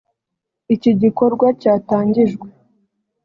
Iki gikorwa cyatangijwe